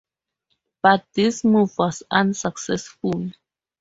But this move was unsuccessful.